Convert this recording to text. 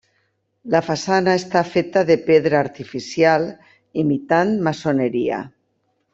La façana està feta de pedra artificial imitant maçoneria.